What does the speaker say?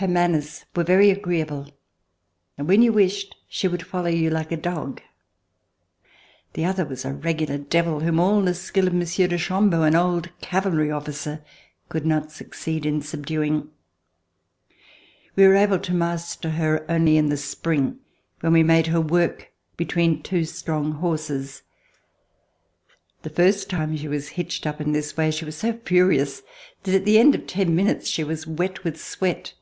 Her manners were very agreeable, and when you wished, she would follow you like a dog. The other was a regular devil, whom all the skill of Monsieur de Chambeau, an old Cavalry officer, could not succeed in subduing. We were able to RECOLLECTIONS OF THE REVOLUTION master her only in the spring, when we made her work between two strong horses. The first time she was hitched up in this way, she was so furious that at the end of ten minutes she was wet with sweat.